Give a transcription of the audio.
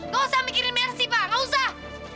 gak usah mikirin mercy pak gak usah